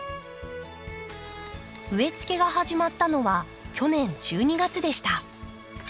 植え付けが始まったのは去年１２月でした。